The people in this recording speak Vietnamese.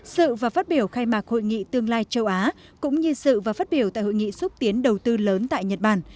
sự và phát biểu khai mạc hội nghị tương lai châu á cũng như sự và phát biểu tại hội nghị xúc tiến đầu tư lớn tại nhật bản